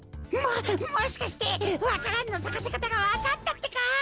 ももしかしてわか蘭のさかせかたがわかったってか！？